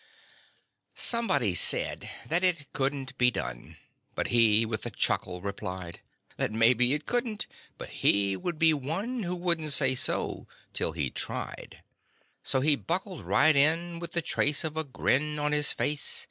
Somebody said that it couldn't be done, But he with a chuckle replied That "maybe it couldn't," but he would be one Who wouldn't say so till he'd tried. So he buckled right in with the trace of a grin On his face.